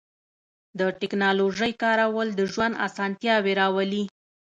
د تکنالوژۍ کارول د ژوند آسانتیاوې راولي.